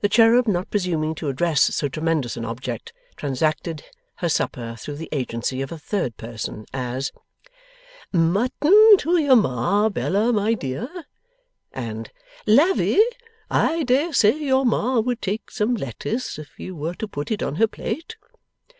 The cherub not presuming to address so tremendous an object, transacted her supper through the agency of a third person, as 'Mutton to your Ma, Bella, my dear'; and 'Lavvy, I dare say your Ma would take some lettuce if you were to put it on her plate.